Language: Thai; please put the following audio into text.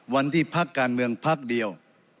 วันที่พักการเมืองพักเดียว